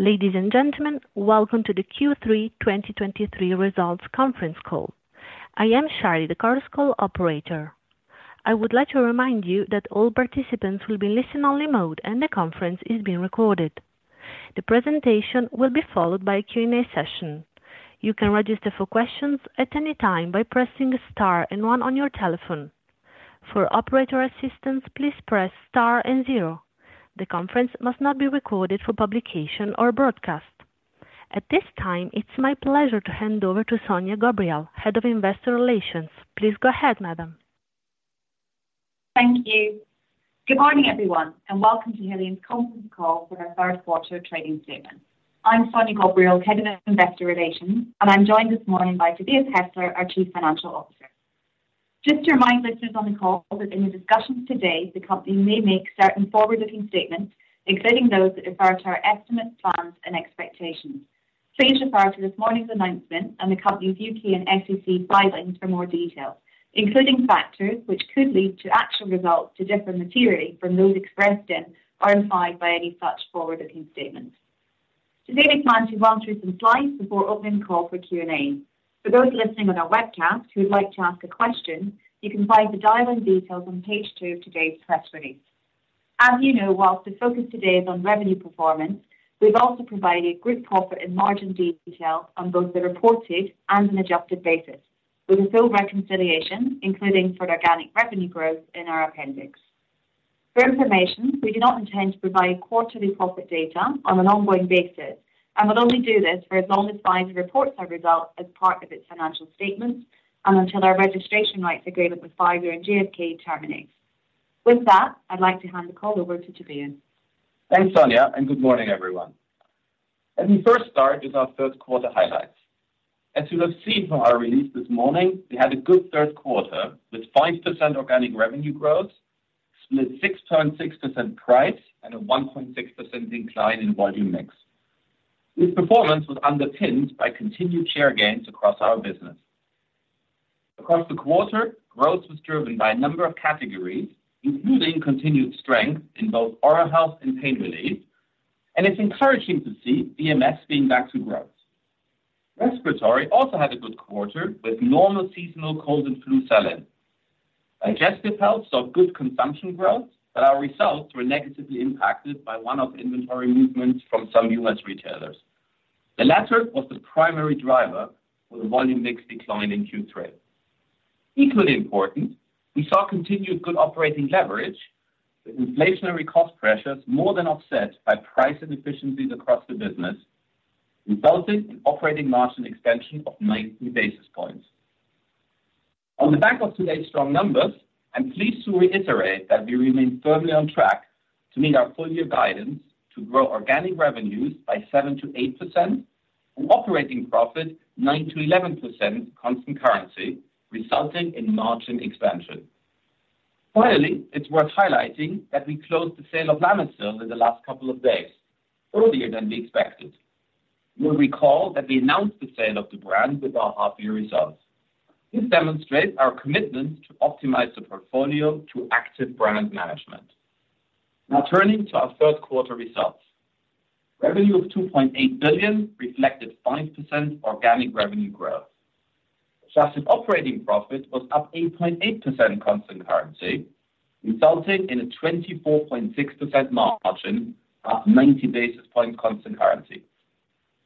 Ladies and gentlemen, welcome to the Q3 2023 Results Conference Call. I am Shari, the conference call operator. I would like to remind you that all participants will be in listen-only mode, and the conference is being recorded. The presentation will be followed by a Q&A session. You can register for questions at any time by pressing star and one on your telephone. For operator assistance, please press star and zero. The conference must not be recorded for publication or broadcast. At this time, it's my pleasure to hand over to Sonya Ghobrial, Head of Investor Relations. Please go ahead, madam. Thank you. Good morning, everyone, and welcome to Haleon's conference call for our third quarter trading statement. I'm Sonya Ghobrial, Head of Investor Relations, and I'm joined this morning by Tobias Hestler, our Chief Financial Officer. Just to remind listeners on the call that in the discussions today, the company may make certain forward-looking statements, including those that refer to our estimates, plans, and expectations. Please refer to this morning's announcement and the company's UK and SEC filings for more details, including factors which could lead to actual results to differ materially from those expressed in or implied by any such forward-looking statements. Tobias plans to run through some slides before opening the call for Q&A. For those listening on our webcast who would like to ask a question, you can find the dial-in details on page two of today's press release. As you know, whilst the focus today is on revenue performance, we've also provided group profit and margin detail on both the reported and an adjusted basis, with a full reconciliation, including for organic revenue growth in our appendix. For information, we do not intend to provide quarterly profit data on an ongoing basis and would only do this for as long as Pfizer reports our results as part of its financial statements and until our registration rights agreement with Pfizer and GSK terminates. With that, I'd like to hand the call over to Tobias. Thanks, Sonya, and good morning, everyone. Let me first start with our third quarter highlights. As you have seen from our release this morning, we had a good third quarter, with 5% organic revenue growth, split 6.6% price, and a 1.6% decline in volume mix. This performance was underpinned by continued share gains across our business. Across the quarter, growth was driven by a number of categories, including continued strength in both Oral Health and Pain Relief, and it's encouraging to see VMS being back to growth. Respiratory also had a good quarter, with normal seasonal cold and flu selling. Digestive Health saw good consumption growth, but our results were negatively impacted by one-off inventory movements from some U.S. retailers. The latter was the primary driver for the volume mix decline in Q3. Equally important, we saw continued good operating leverage, with inflationary cost pressures more than offset by price and efficiencies across the business, resulting in operating margin expansion of 90 basis points. On the back of today's strong numbers, I'm pleased to reiterate that we remain firmly on track to meet our full year guidance to grow organic revenues by 7%-8%, and operating profit 9%-11% constant currency, resulting in margin expansion. Finally, it's worth highlighting that we closed the sale of Lamisil in the last couple of days, earlier than we expected. You'll recall that we announced the sale of the brand with our half year results. This demonstrates our commitment to optimize the portfolio through active brand management. Now, turning to our third quarter results. Revenue of 2.8 billion reflected 5% organic revenue growth. Adjusted operating profit was up 8.8% constant currency, resulting in a 24.6% margin, up 90 basis points constant currency.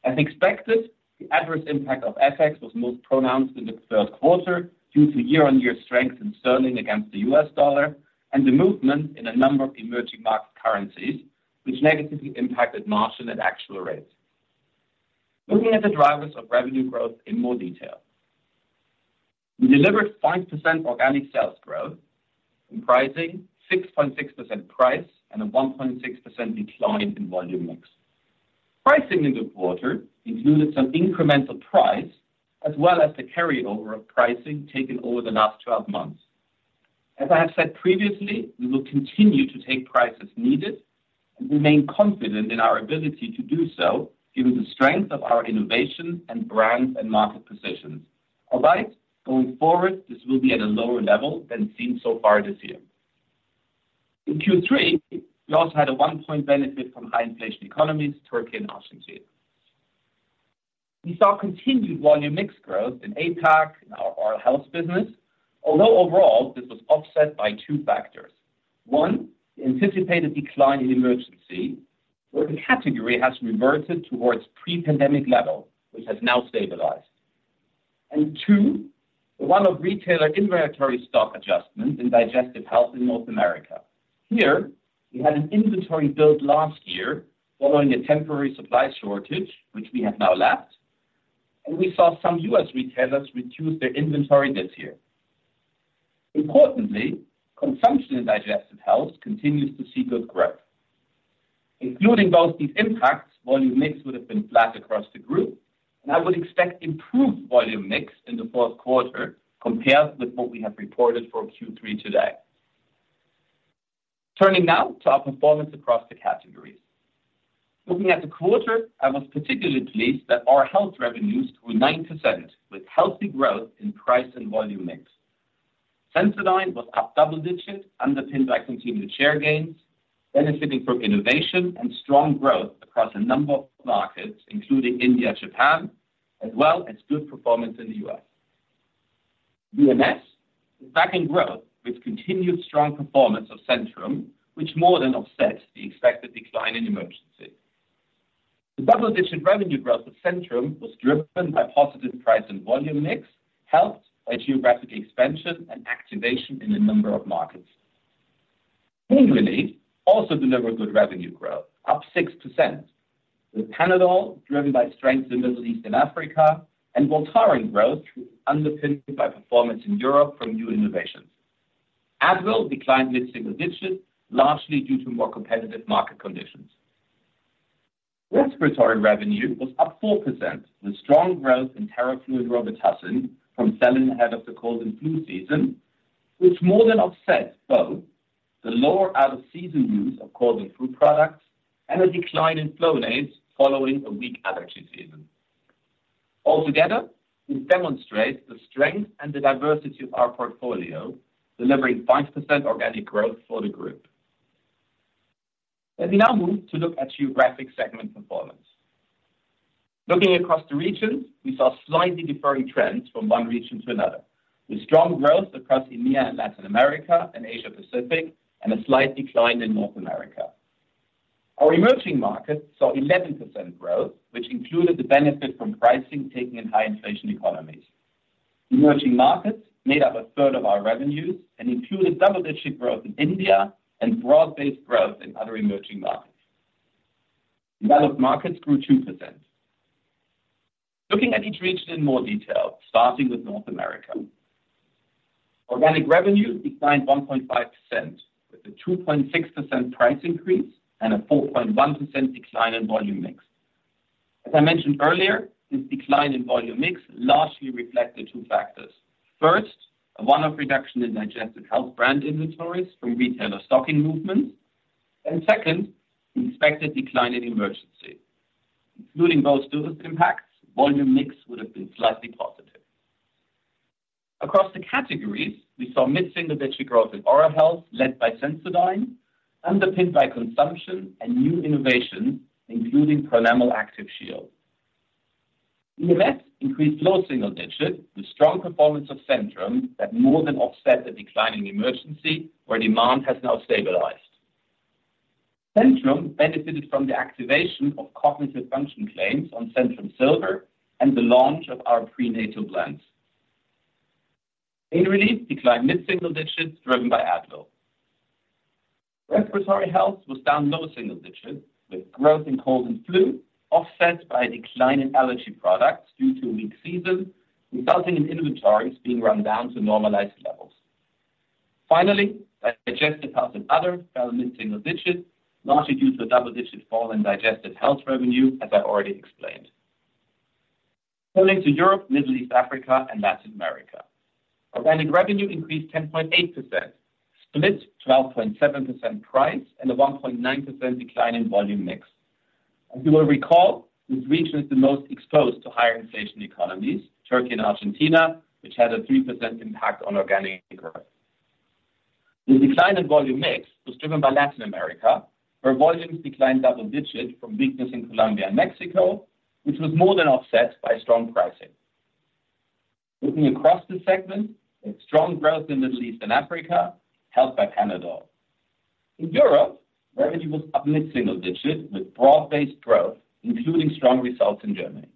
As expected, the adverse impact of FX was most pronounced in the third quarter due to year-on-year strength in sterling against the U.S. dollar and the movement in a number of emerging market currencies, which negatively impacted margin at actual rates. Looking at the drivers of revenue growth in more detail. We delivered 5% organic sales growth, comprising 6.6% price and a 1.6% decline in volume mix. Pricing in the quarter included some incremental price as well as the carryover of pricing taken over the last twelve months. As I have said previously, we will continue to take price as needed and remain confident in our ability to do so, given the strength of our innovation and brand and market positions, albeit going forward, this will be at a lower level than seen so far this year. In Q3, we also had a one-point benefit from high inflation economies, Turkey and Argentina. We saw continued volume mix growth in APAC, in our Oral Health business, although overall, this was offset by two factors. One, the anticipated decline in Emergen-C, where the category has reverted to its pre-pandemic level, which has now stabilized. And two, one-off retailer inventory stock adjustments in Digestive Health in North America. Here, we had an inventory build last year following a temporary supply shortage, which we have now lapped, and we saw some U.S. retailers reduce their inventory this year. Importantly, consumption in Digestive Health continues to see good growth. Including both these impacts, volume mix would have been flat across the group, and I would expect improved volume mix in the fourth quarter compared with what we have reported for Q3 today. Turning now to our performance across the categories. Looking at the quarter, I was particularly pleased that our Health revenues grew 9%, with healthy growth in price and volume mix. Sensodyne was up double digits, underpinned by continued share gains, benefiting from innovation and strong growth across a number of markets, including India, Japan, as well as good performance in the US. VMS is back in growth with continued strong performance of Centrum, which more than offsets the expected decline in Emergen-C. The double-digit revenue growth of Centrum was driven by positive price and volume mix, helped by geographic expansion and activation in a number of markets. Pain relief also delivered good revenue growth, up 6%, with Panadol driven by strength in Middle East and Africa, and Voltaren growth underpinned by performance in Europe from new innovations. Advil declined mid-single digits, largely due to more competitive market conditions. Respiratory revenue was up 4%, with strong growth in Theraflu and Robitussin from selling ahead of the cold and flu season, which more than offset both the lower out-of-season use of cold and flu products and a decline in Flonase following a weak allergy season. Altogether, we demonstrate the strength and the diversity of our portfolio, delivering 5% organic growth for the group. Let me now move to look at geographic segment performance. Looking across the regions, we saw slightly differing trends from one region to another, with strong growth across EMEA and Latin America and Asia Pacific, and a slight decline in North America. Our emerging markets saw 11% growth, which included the benefit from pricing taken in high inflation economies. Emerging markets made up a third of our revenues and included double-digit growth in India and broad-based growth in other emerging markets. Developed markets grew 2%. Looking at each region in more detail, starting with North America. Organic revenue declined 1.5%, with a 2.6% price increase and a 4.1% decline in volume mix. As I mentioned earlier, this decline in volume mix largely reflect the two factors. First, a one-off reduction in Digestive Health brand inventories from retailer stocking movements, and second, an expected decline in Emergen-C. Including both of those impacts, volume mix would have been slightly positive. Across the categories, we saw mid-single-digit growth in Oral Health, led by Sensodyne, underpinned by consumption and new innovation, including Pronamel Active Shield. VMS increased low single digits, with strong performance of Centrum that more than offset the decline in Emergen-C, where demand has now stabilized. Centrum benefited from the activation of cognitive function claims on Centrum Silver and the launch of our prenatal blends. Pain relief declined mid-single digits, driven by Advil. Respiratory Health was down low single digits, with growth in cold and flu offset by a decline in allergy products due to a weak season, resulting in inventories being run down to normalized levels. Finally, Digestive Health and Other fell mid-single digits, largely due to a double-digit fall in Digestive Health revenue, as I've already explained. Turning to Europe, Middle East, Africa, and Latin America. Organic revenue increased 10.8%, split 12.7% price, and a 1.9% decline in volume mix. As you will recall, this region is the most exposed to higher inflation economies, Turkey and Argentina, which had a 3% impact on organic growth. The decline in volume mix was driven by Latin America, where volumes declined double digits from weakness in Colombia and Mexico, which was more than offset by strong pricing. Looking across the segment, we have strong growth in Middle East and Africa, helped by Panadol. In Europe, revenue was up mid-single digits, with broad-based growth, including strong results in Germany.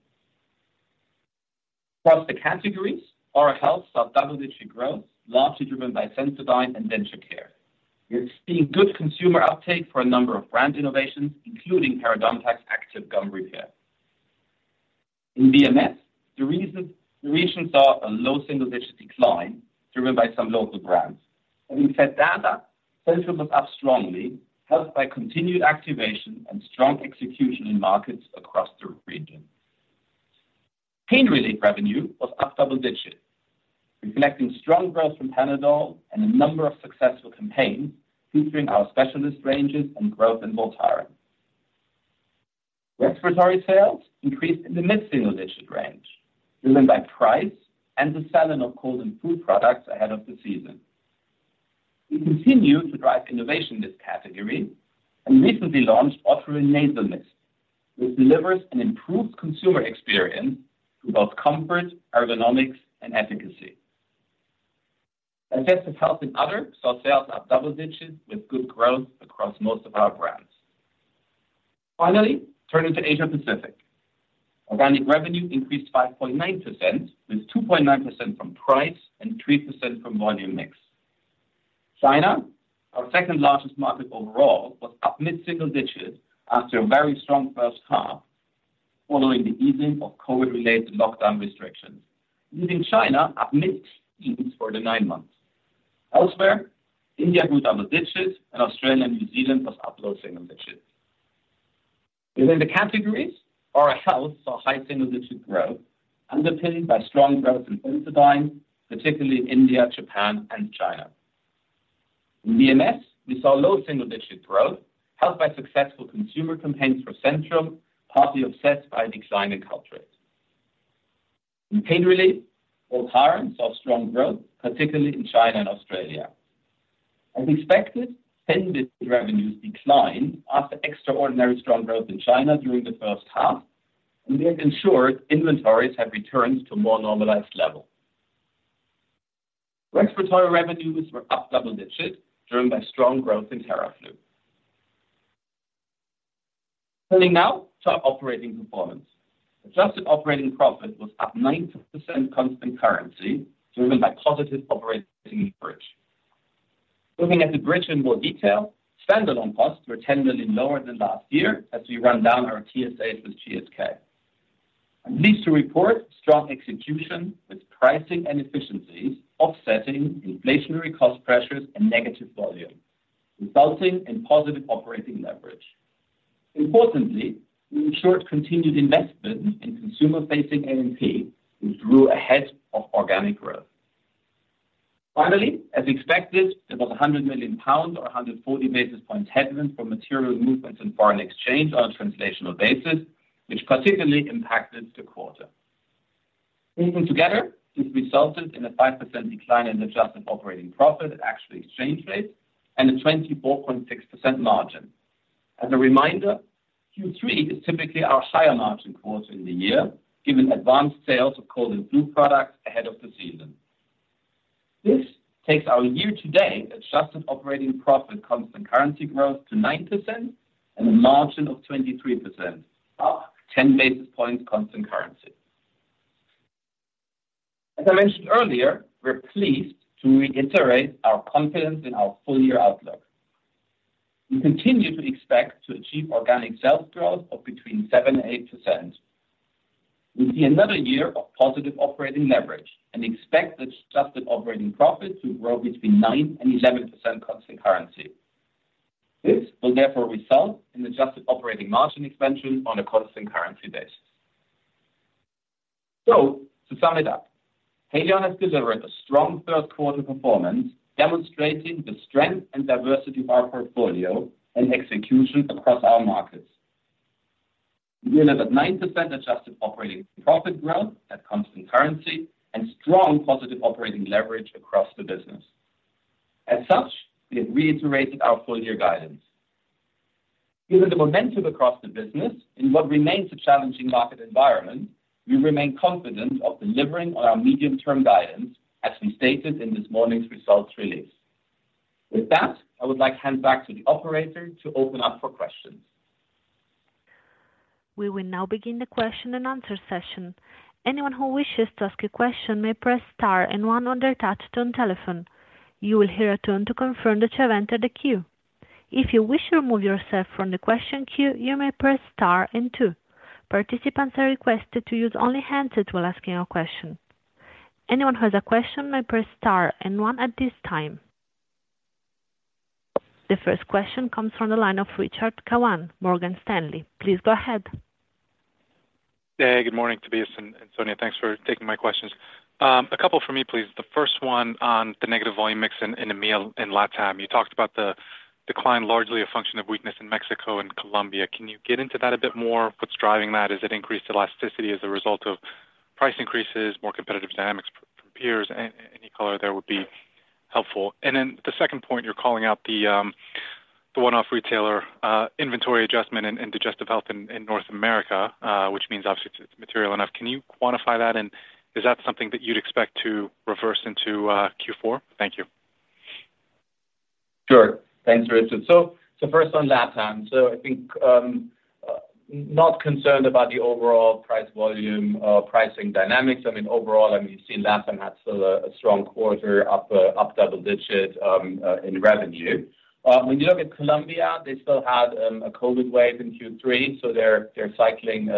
Across the categories, Oral Health saw double-digit growth, largely driven by Sensodyne and Denture Care. We are seeing good consumer uptake for a number of brand innovations, including Parodontax Active Gum Repair. In VMS, the region saw a low single-digit decline driven by some local brands. In Vitamins, Centrum was up strongly, helped by continued activation and strong execution in markets across the region. Pain relief revenue was up double digits, reflecting strong growth from Panadol and a number of successful campaigns featuring our specialist ranges and growth in Voltaren. Respiratory sales increased in the mid-single-digit range, driven by price and the selling of cold and flu products ahead of the season. We continue to drive innovation in this category and recently launched Otrivin Nasal Mist, which delivers an improved consumer experience through both comfort, ergonomics, and efficacy. Digestive Health and Other saw sales up double digits, with good growth across most of our brands. Finally, turning to Asia Pacific. Organic revenue increased 5.9%, with 2.9% from price and 3% from volume mix. China, our second largest market overall, was up mid-single digits after a very strong first half, following the easing of COVID-related lockdown restrictions, leaving China at mid-single for the nine months. Elsewhere, India grew double digits, and Australia and New Zealand was up low single digits. Within the categories, Oral Health saw high single-digit growth, underpinned by strong growth in Sensodyne, particularly in India, Japan, and China. In VMS, we saw low single-digit growth, helped by successful consumer campaigns for Centrum, partly offset by Caltrate. In pain relief, Voltaren saw strong growth, particularly in China and Australia. As expected, Fenbid revenues declined after extraordinary strong growth in China during the first half, and we have ensured inventories have returned to a more normalized level. Respiratory revenues were up double digits, driven by strong growth in Theraflu. Turning now to our operating performance. Adjusted operating profit was up 90% constant currency, driven by positive operating bridge. Looking at the bridge in more detail, standalone costs were 10 million lower than last year as we run down our TSAs with GSK. I'm pleased to report strong execution with pricing and efficiencies, offsetting inflationary cost pressures and negative volume, resulting in positive operating leverage. Importantly, we ensured continued investment in consumer-facing A&P, which grew ahead of organic growth. Finally, as expected, there was 100 million pounds or 140 basis points headwind from material movements in foreign exchange on a translational basis, which particularly impacted the quarter. Together, this resulted in a 5% decline in adjusted operating profit at actual exchange rate and a 24.6% margin. As a reminder, Q3 is typically our higher margin quarter in the year, given advanced sales of cold and flu products ahead of the season. This takes our year-to-date adjusted operating profit constant currency growth to 9% and a margin of 23%, up 10 basis points constant currency. As I mentioned earlier, we're pleased to reiterate our confidence in our full-year outlook. We continue to expect to achieve organic sales growth of between 7% and 8%. We see another year of positive operating leverage and expect adjusted operating profit to grow between 9% and 11% constant currency. This will therefore result in adjusted operating margin expansion on a constant currency basis. To sum it up, Haleon has delivered a strong third quarter performance, demonstrating the strength and diversity of our portfolio and execution across our markets. We delivered 9% Adjusted Operating Profit growth at Constant Currency and strong positive operating leverage across the business. As such, we have reiterated our full-year guidance. Given the momentum across the business in what remains a challenging market environment, we remain confident of delivering on our medium-term guidance, as we stated in this morning's results release. With that, I would like to hand back to the operator to open up for questions. We will now begin the question and answer session. Anyone who wishes to ask a question may press star and one on their touchtone telephone. You will hear a tune to confirm that you have entered the queue. If you wish to remove yourself from the question queue, you may press star and two. Participants are requested to use only handsets while asking a question. Anyone who has a question may press star and one at this time. The first question comes from the line of Rashad Kawan, Morgan Stanley. Please go ahead. Hey, good morning, Tobias and Sonya. Thanks for taking my questions. A couple for me, please. The first one on the negative volume mix in EMEA and LatAm. You talked about the decline, largely a function of weakness in Mexico and Colombia. Can you get into that a bit more? What's driving that? Is it increased elasticity as a result of price increases, more competitive dynamics from peers? Any color there would be helpful. And then the second point, you're calling out the one-off retailer inventory adjustment in Digestive Health in North America, which means obviously it's material enough. Can you quantify that, and is that something that you'd expect to reverse into Q4? Thank you. Sure. Thanks, Rashad. So first on Latam. So I think not concerned about the overall price volume pricing dynamics. I mean, overall, you've seen Latam had still a strong quarter, up double digits in revenue. When you look at Colombia, they still had a COVID wave in Q3, so they're cycling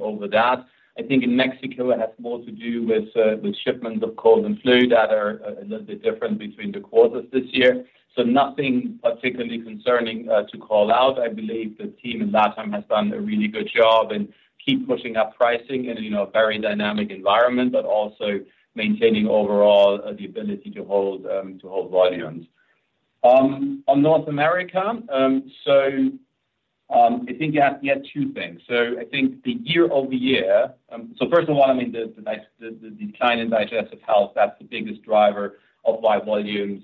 over that. I think in Mexico, it has more to do with shipments of cold and flu that are a little bit different between the quarters this year. So nothing particularly concerning to call out. I believe the team in Latam has done a really good job and keep pushing up pricing in, you know, a very dynamic environment, but also maintaining overall the ability to hold volumes. On North America, so, I think you have to get two things. So I think the year-over-year... So first of all, I mean, the decline in digestive health, that's the biggest driver of why volumes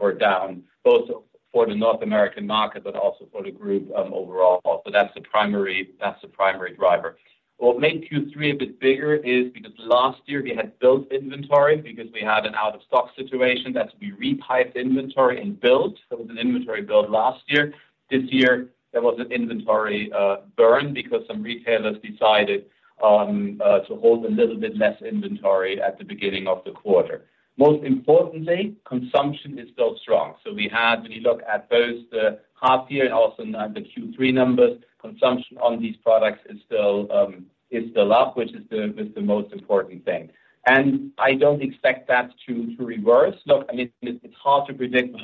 were down, both for the North American market but also for the group overall. So that's the primary, that's the primary driver. What made Q3 a bit bigger is because last year we had built inventory, because we had an out-of-stock situation, that we repiped inventory and built. There was an inventory build last year. This year, there was an inventory burn because some retailers decided to hold a little bit less inventory at the beginning of the quarter. Most importantly, consumption is still strong. So we had, when you look at both the half year and also now the Q3 numbers, consumption on these products is still up, which is the most important thing, and I don't expect that to reverse. Look, I mean, it's hard to predict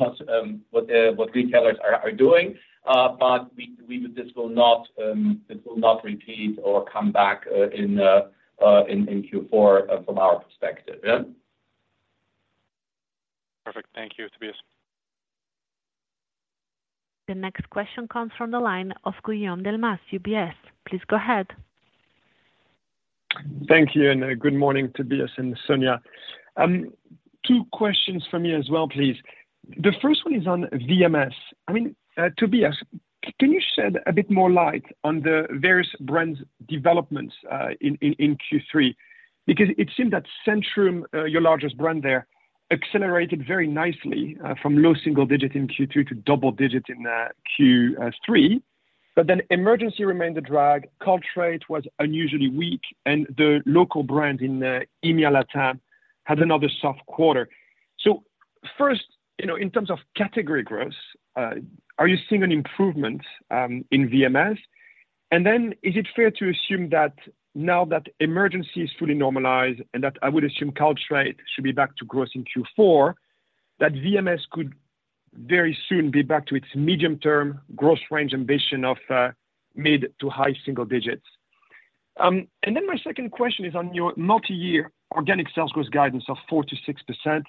what retailers are doing, but we-- this will not repeat or come back in Q4 from our perspective, yeah?... The next question comes from the line of Guillaume Delmas, UBS. Please go ahead. Thank you, and good morning, Tobias and Sonya. Two questions from me as well, please. The first one is on VMS. I mean, Tobias, can you shed a bit more light on the various brands' developments in Q3? Because it seemed that Centrum, your largest brand there, accelerated very nicely from low single digit in Q2 to double digits in Q3. But then Emergen-C remained a drag, Caltrate was unusually weak, and the local brand in EMEA LATAM had another soft quarter. So first, you know, in terms of category growth, are you seeing an improvement in VMS? And then is it fair to assume that now that Emergen-C is fully normalized, and that I would assume Caltrate should be back to growth in Q4, that VMS could very soon be back to its medium-term growth range ambition of mid- to high single digits? And then my second question is on your multi-year organic sales growth guidance of 4%-6%.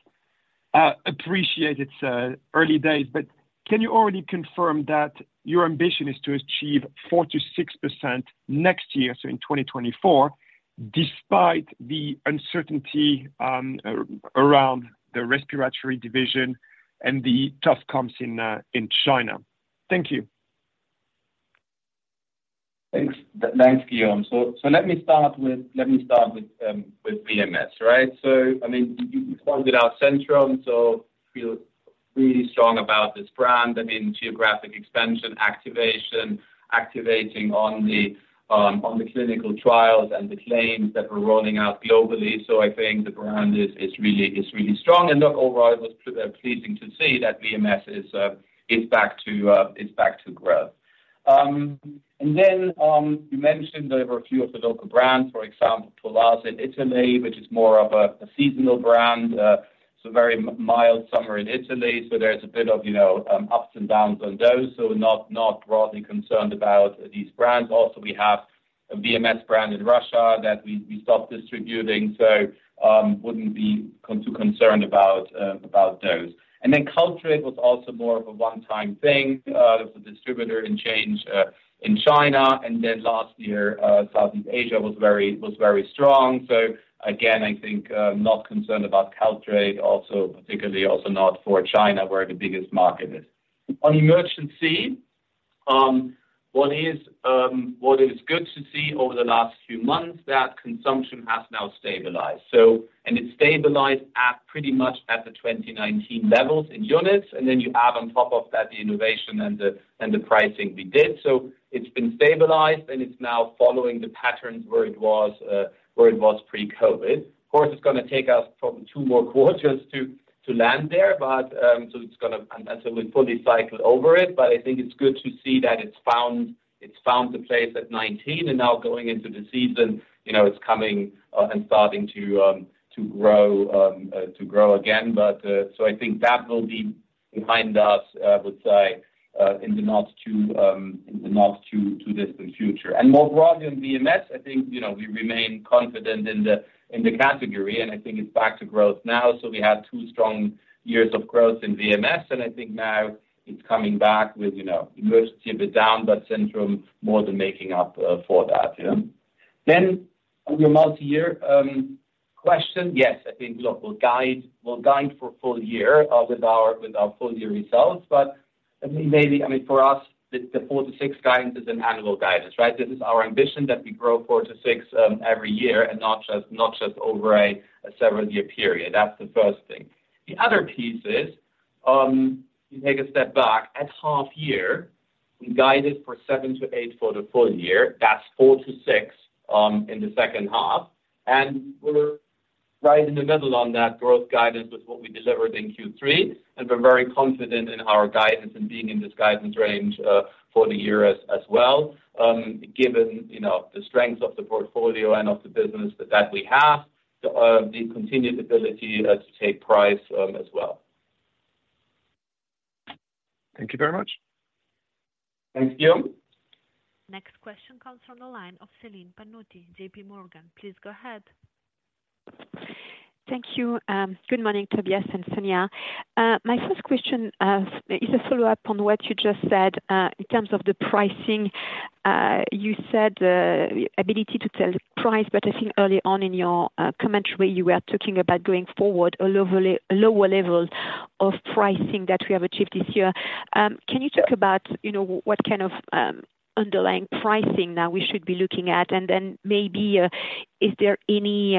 Appreciate it's early days, but can you already confirm that your ambition is to achieve 4%-6% next year, so in 2024, despite the uncertainty around the respiratory division and the tough comps in China? Thank you. Thanks. Thanks, Guillaume. So let me start with VMS, right? So, I mean, you started out Centrum, so feel really strong about this brand. I mean, geographic expansion, activating on the clinical trials and the claims that we're rolling out globally. So I think the brand is really strong. And look, overall, it was pleasing to see that VMS is back to growth. And then, you mentioned there were a few of the local brands, for example, Polase in Italy, which is more of a seasonal brand. It's a very mild summer in Italy, so there's a bit of, you know, ups and downs on those, so not broadly concerned about these brands. Also, we have a VMS brand in Russia that we stopped distributing, so wouldn't be too concerned about those. And then Caltrate was also more of a one-time thing. There was a distributor change in China, and then last year Southeast Asia was very strong. So again, I think not concerned about Caltrate. Also, particularly also not for China, where the biggest market is. On Emergen-C, what is good to see over the last few months is that consumption has now stabilized. So, and it's stabilized at pretty much the 2019 levels in units, and then you add on top of that the innovation and the pricing we did. So it's been stabilized, and it's now following the patterns where it was pre-COVID. Of course, it's gonna take us probably two more quarters to land there, but until we fully cycle over it. But I think it's good to see that it's found the place at 19, and now going into the season, you know, it's coming and starting to grow again. But so I think that will be behind us, I would say, in the not too distant future. And more broadly on VMS, I think, you know, we remain confident in the category, and I think it's back to growth now. So we had two strong years of growth in VMS, and I think now it's coming back with, you know, Emergen-C a bit down, but Centrum more than making up for that. Yeah. Then on your multi-year question, yes, I think look, we'll guide, we'll guide for full year with our, with our full year results. But I mean, maybe I mean, for us, the four to six guidance is an annual guidance, right? This is our ambition, that we grow four to six every year, and not just over a seven-year period. That's the first thing. The other piece is, you take a step back. At half year, we guided for seven to eight for the full year. That's four to six in the second half, and we're right in the middle on that growth guidance with what we delivered in Q3. We're very confident in our guidance and being in this guidance range for the year as well, given, you know, the strength of the portfolio and of the business that we have, the continued ability to take price as well. Thank you very much. Thanks, Guillaume. Next question comes from the line of Celine Pannuti, J.P. Morgan. Please go ahead. Thank you. Good morning, Tobias and Sonya. My first question is a follow-up on what you just said in terms of the pricing. You said ability to tell the price, but I think early on in your commentary, you were talking about going forward, a lower level of pricing that we have achieved this year. Can you talk about, you know, what kind of underlying pricing now we should be looking at? And then maybe, is there any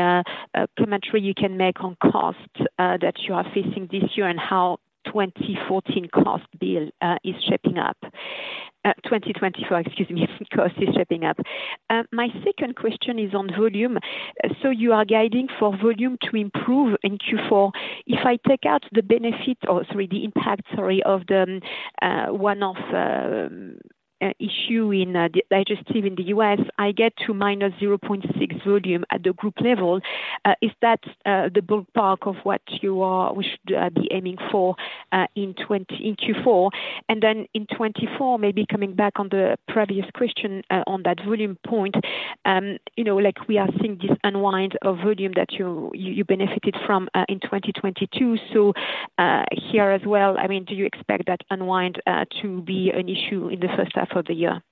commentary you can make on costs that you are facing this year and how 2014 cost bill is shaping up? 2024, excuse me, cost is shaping up. My second question is on volume. So you are guiding for volume to improve in Q4. If I take out the benefit or sorry, the impact, sorry, of the one-off issue in the digestive in the US, I get to -0.6 volume at the group level. Is that the ballpark of what you are, we should be aiming for in Q4? And then in 2024, maybe coming back on the previous question on that volume point, you know, like we are seeing this unwind of volume that you benefited from in 2022. So here as well, I mean, do you expect that unwind to be an issue in the first half of the year?...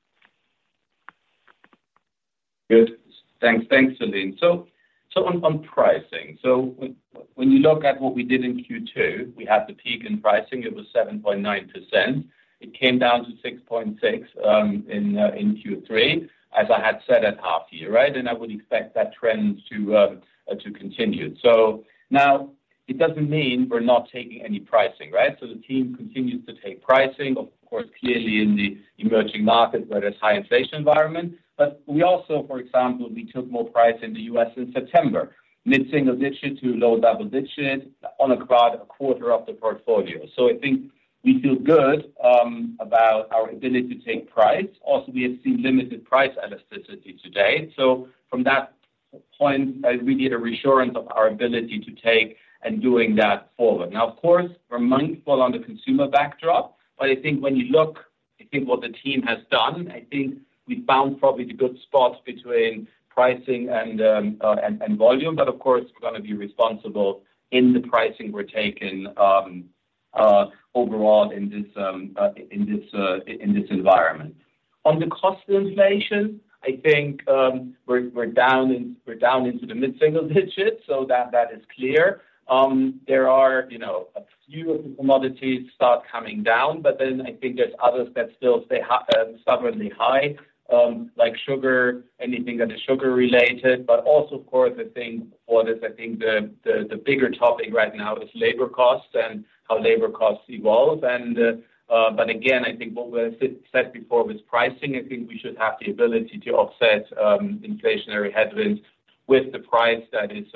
Good. Thanks. Thanks, Celine. So, so on, on pricing. So when, when you look at what we did in Q2, we had the peak in pricing. It was 7.9%. It came down to 6.6% in Q3, as I had said at half year, right? And I would expect that trend to continue. So now it doesn't mean we're not taking any pricing, right? So the team continues to take pricing, of course, clearly in the emerging markets, where there's high inflation environment. But we also, for example, we took more price in the U.S. in September, mid-single digit to low double digit on about a quarter of the portfolio. So I think we feel good about our ability to take price. Also, we have seen limited price elasticity today. So from that point, we get a reassurance of our ability to take and doing that forward. Now, of course, we're mindful on the consumer backdrop, but I think when you look, I think what the team has done, I think we found probably the good spots between pricing and volume. But of course, we're going to be responsible in the pricing we're taking overall in this environment. On the cost inflation, I think we're down into the mid single digits, so that is clear. There are, you know, a few of the commodities start coming down, but then I think there's others that still stay high, stubbornly high, like sugar, anything that is sugar related, but also, of course, I think for this, I think the bigger topic right now is labor costs and how labor costs evolve. But again, I think what was said before with pricing, I think we should have the ability to offset inflationary headwinds with the price that is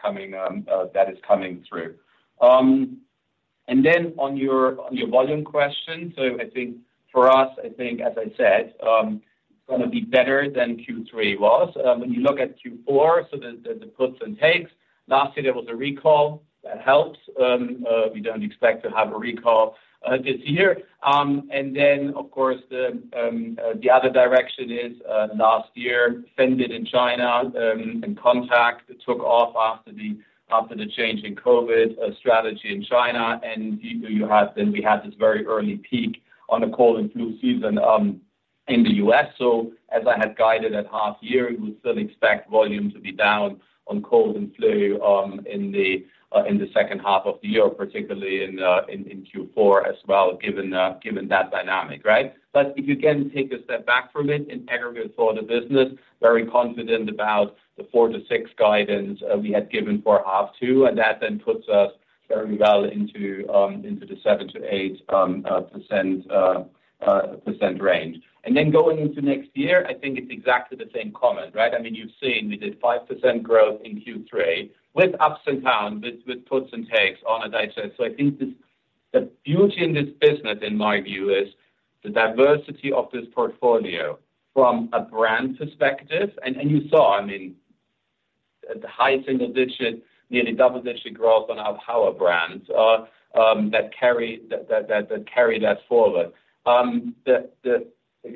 coming through. And then on your volume question. So I think for us, I think, as I said, it's gonna be better than Q3 was. When you look at Q4, so the puts and takes. Last year, there was a recall that helped. We don't expect to have a recall this year. And then, of course, the other direction is last year, Fenbid in China, and Contac took off after the change in COVID strategy in China. And then you had, then we had this very early peak on the cold and flu season in the U.S. So as I had guided at half year, we would still expect volume to be down on cold and flu in the second half of the year, particularly in Q4 as well, given that dynamic, right? But if you again take a step back from it, in aggregate for the business, very confident about the four to six guidance we had given for H2, and that then puts us very well into the 7%-8% range. And then going into next year, I think it's exactly the same comment, right? I mean, you've seen we did 5% growth in Q3 with ups and down, with puts and takes on a day set. So I think this, the beauty in this business, in my view, is the diversity of this portfolio from a brand perspective. And you saw, I mean, the high single-digit, nearly double-digit growth on our power brands that carry that forward. The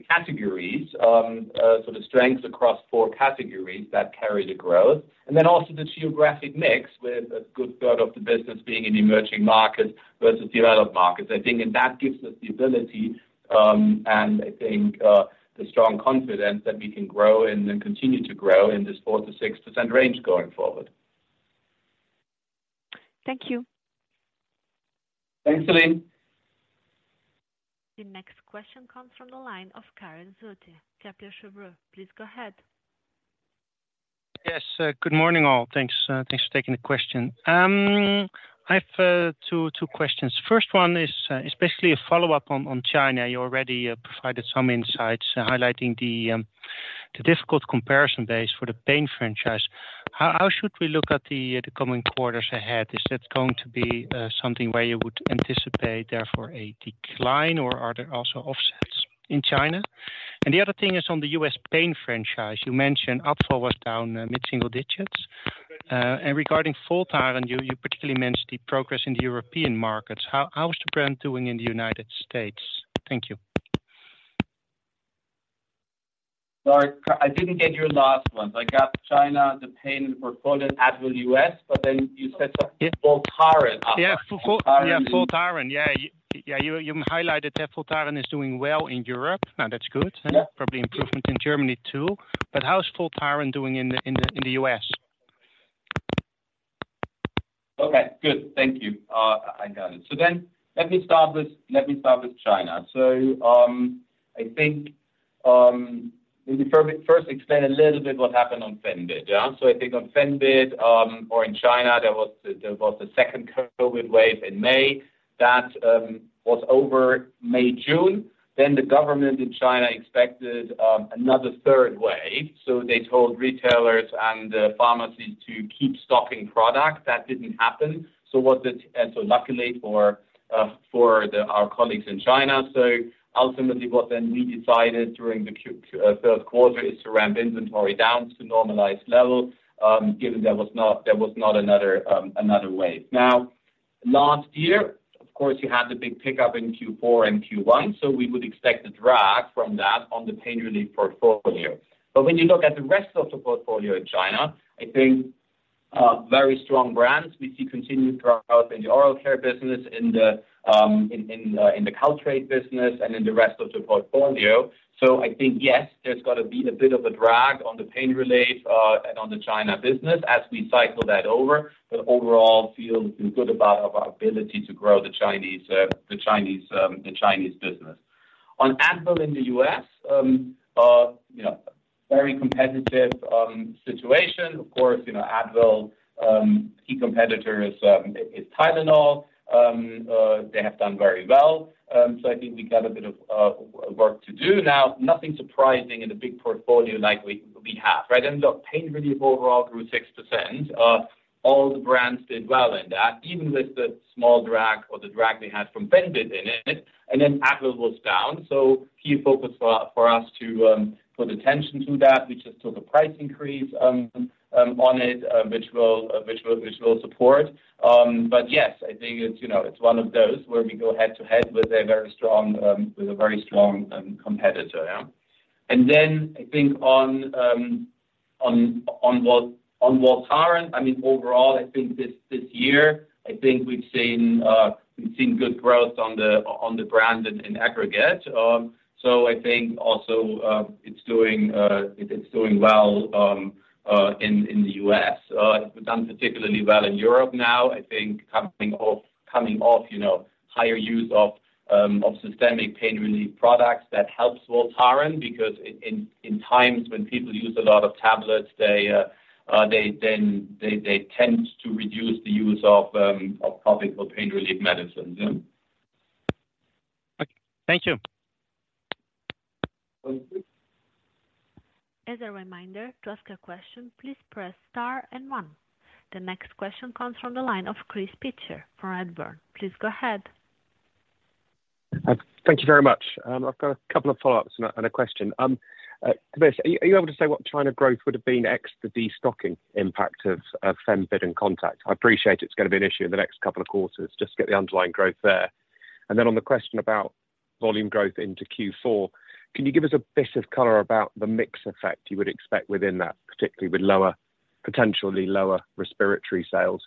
categories, sort of strengths across four categories that carry the growth, and then also the geographic mix, with a good third of the business being in emerging markets versus developed markets. I think, and that gives us the ability, and I think, the strong confidence that we can grow and then continue to grow in this 4%-6% range going forward. Thank you. Thanks, Celine. The next question comes from the line of Kareen Zutshi, Kepler Cheuvreux. Please go ahead. Yes, good morning, all. Thanks. Thanks for taking the question. I have two questions. First one is especially a follow-up on China. You already provided some insights highlighting the difficult comparison base for the pain franchise. How should we look at the coming quarters ahead? Is that going to be something where you would anticipate therefore a decline, or are there also offsets in China? And the other thing is on the U.S. pain franchise, you mentioned Advil was down mid-single digits. And regarding Voltaren, you particularly mentioned the progress in the European markets. How is the brand doing in the United States? Thank you. Sorry, I didn't get your last one. I got China, the pain portfolio, Advil US, but then you said something Voltaren. Yeah, Voltaren. Yeah. Yeah, you, you highlighted that Voltaren is doing well in Europe, and that's good. Yeah. Probably improvement in Germany, too. But how is Voltaren doing in the U.S.? Okay, good. Thank you. I got it. So then let me start with, let me start with China. So, I think, let me first explain a little bit what happened on Fenbid. Yeah, so I think on Fenbid, or in China, there was a second COVID wave in May. That was over May, June. Then the government in China expected another third wave, so they told retailers and pharmacies to keep stocking products. That didn't happen. So what it—So luckily for our colleagues in China, so ultimately what then we decided during the third quarter is to ramp inventory down to normalized level, given there was not another wave. Now, last year, of course, you had the big pickup in Q4 and Q1, so we would expect a drag from that on the pain relief portfolio. But when you look at the rest of the portfolio in China, I think very strong brands. We see continued growth in the oral care business, in the culture business and in the rest of the portfolio. So I think, yes, there's got to be a bit of a drag on the pain relief, and on the China business as we cycle that over, but overall, feel good about our ability to grow the Chinese business. On Advil in the U.S., you know, very competitive situation. Of course, you know, Advil, key competitor is Tylenol. They have done very well. So I think we got a bit of work to do now. Nothing surprising in a big portfolio like we have, right? And look, pain relief overall grew 6%. All the brands did well in that, even with the small drag or the drag they had from Fenbid in it, and then Advil was down. So key focus for us to put attention to that, we just took a price increase on it, which will support. But yes, I think it's, you know, it's one of those where we go head-to-head with a very strong competitor. Yeah. And then I think on Voltaren, I mean, overall, I think this year, I think we've seen good growth on the brand in aggregate. So I think also, it's doing well in the U.S. It's done particularly well in Europe now. I think coming off, you know, higher use of systemic pain relief products, that helps Voltaren, because in times when people use a lot of tablets, they then tend to reduce the use of topical pain relief medicines. Yeah. Thank you. As a reminder, to ask a question, please press Star and One. The next question comes from the line of Chris Pitcher from Redburn. Please go ahead. Thank you very much. I've got a couple of follow-ups and a, and a question. Are you able to say what China growth would have been ex the destocking impact of Fenbid and Contac? I appreciate it's going to be an issue in the next couple of quarters. Just get the underlying growth there. And then on the question about volume growth into Q4, can you give us a bit of color about the mix effect you would expect within that, particularly with lower, potentially lower respiratory sales?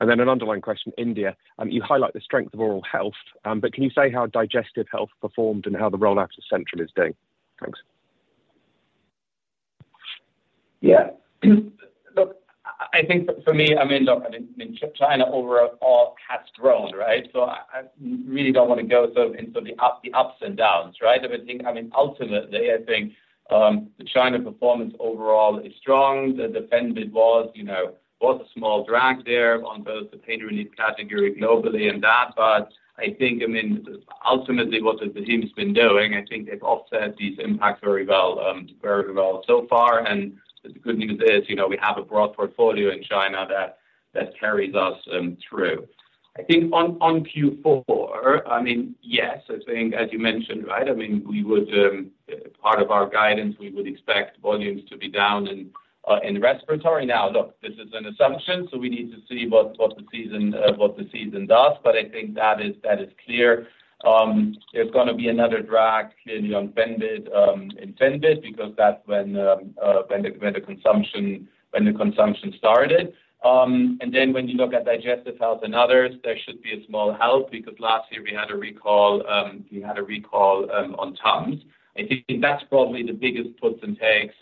And then an underlying question, India, you highlight the strength of oral health, but can you say how digestive health performed and how the rollout of Centrum is doing? Thanks. Yeah. Look, I think for me, I mean, look, I mean, China overall has grown, right? So I, I really don't want to go so into the up, the ups and downs, right? I think, I mean, ultimately, I think, the China performance overall is strong. The Fenbid was, you know, was a small drag there on both the pain relief category globally and that, but I think, I mean, ultimately, what the team's been doing, I think they've offset these impacts very well, very well so far. And the good news is, you know, we have a broad portfolio in China that, that carries us, through. I think on, on Q4, I mean, yes, I think as you mentioned, right, I mean, we would, part of our guidance, we would expect volumes to be down in, in respiratory. Now, look, this is an assumption, so we need to see what the season does, but I think that is clear. There's gonna be another drag clearly on Fenbid in Fenbid, because that's when the consumption started. And then when you look at digestive health and others, there should be a small help, because last year we had a recall on Tums. I think that's probably the biggest puts and takes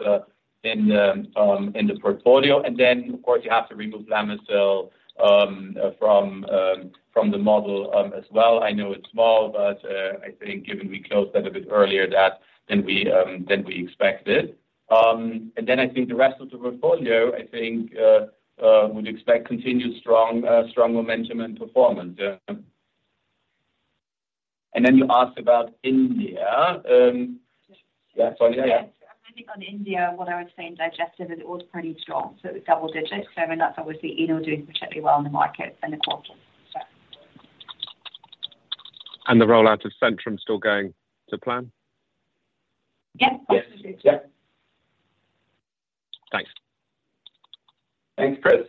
in the portfolio. And then, of course, you have to remove Lamisil from the model as well. I know it's small, but I think given we closed that a bit earlier than we expected. And then I think the rest of the portfolio, I think, would expect continued strong, strong momentum and performance. Yeah. And then you asked about India, yeah, Sonya? Yeah. I think on India, what I would say in digestive, it was pretty strong, so it was double digits. So I mean, that's obviously Eno doing particularly well in the market and the quarter. The rollout of Centrum still going to plan? Yes. Yes. Yeah. Thanks. Thanks, Chris.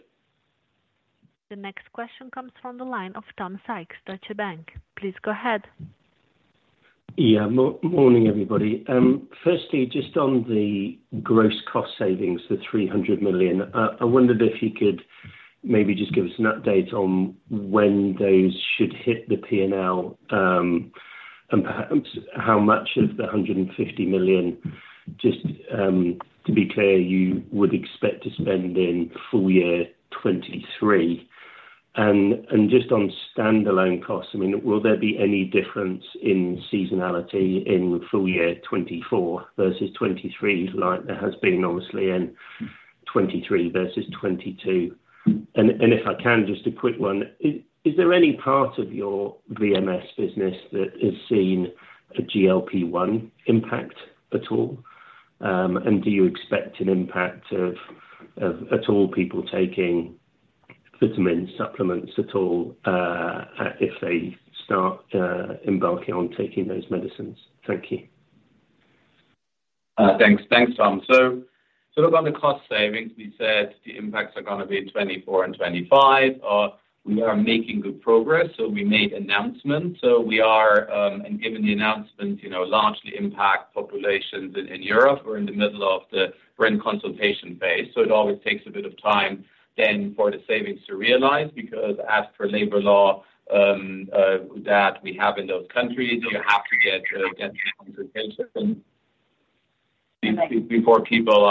The next question comes from the line of Tom Sykes, Deutsche Bank. Please go ahead. Yeah. Morning, everybody. Firstly, just on the gross cost savings, the 300 million, I wondered if you could maybe just give us an update on when those should hit the PNL, and perhaps how much of the 150 million, just to be clear, you would expect to spend in full year 2023. And just on standalone costs, I mean, will there be any difference in seasonality in full year 2024 versus 2023, like there has been obviously in 2023 versus 2022? And if I can, just a quick one, is there any part of your VMS business that has seen a GLP-1 impact at all? And do you expect an impact of at all people taking vitamin supplements at all, if they start embarking on taking those medicines? Thank you.... Thanks. Thanks, Tom. So, look, on the cost savings, we said the impacts are going to be in 2024 and 2025. We are making good progress, so we made announcements. So we are, and given the announcement, you know, largely impact populations in, in Europe, we're in the middle of the rent consultation phase, so it always takes a bit of time then for the savings to realize, because as per labor law, that we have in those countries, you have to get, get before people are, before people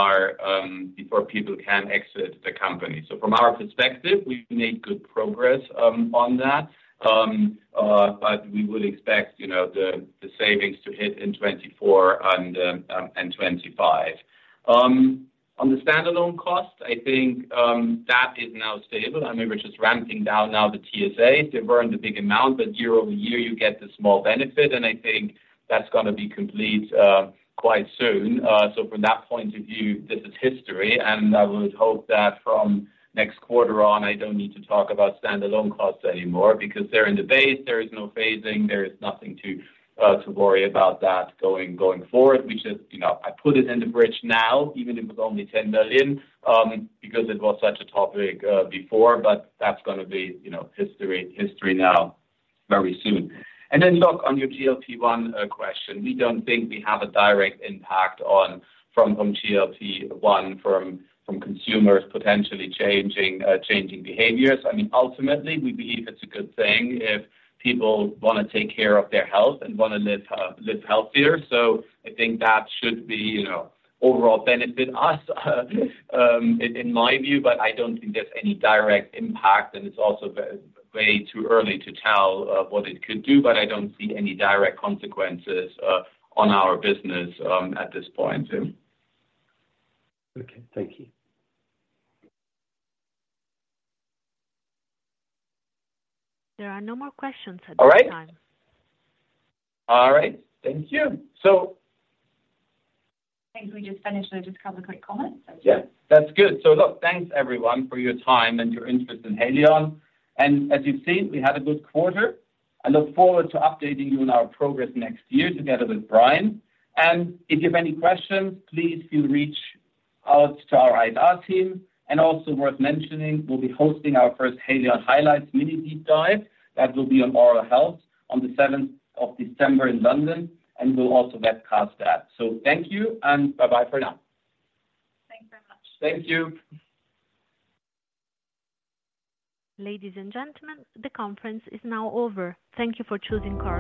can exit the company. So from our perspective, we've made good progress, on that. But we would expect, you know, the, the savings to hit in 2024 and, and 2025. On the standalone cost, I think, that is now stable. I mean, we're just ramping down now the TSA. They've earned a big amount, but year-over-year, you get the small benefit, and I think that's going to be complete quite soon. So from that point of view, this is history, and I would hope that from next quarter on, I don't need to talk about standalone costs anymore because they're in the base. There is no phasing. There is nothing to to worry about that going going forward. We just, you know, I put it in the bridge now, even if it's only 10 million, because it was such a topic before, but that's going to be, you know, history history now, very soon. And then, look, on your GLP-1 question, we don't think we have a direct impact on from from GLP-1 from from consumers potentially changing changing behaviors. I mean, ultimately, we believe it's a good thing if people want to take care of their health and want to live live healthier. So I think that should be, you know, overall benefit us, in my view, but I don't think there's any direct impact, and it's also way too early to tell, what it could do, but I don't see any direct consequences, on our business, at this point. Okay. Thank you. There are no more questions at this time. All right. All right, thank you. So, I think we just finish with a couple of quick comments. Yeah, that's good. So look, thanks, everyone, for your time and your interest in Haleon. And as you've seen, we had a good quarter. I look forward to updating you on our progress next year together with Brian. And if you have any questions, please do reach out to our IR team. And also worth mentioning, we'll be hosting our first Haleon Highlights mini deep dive. That will be on oral health on the seventh of December in London, and we'll also webcast that. So thank you, and bye-bye for now. Thanks very much. Thank you. Ladies and gentlemen, the conference is now over. Thank you for choosing Chorus Call.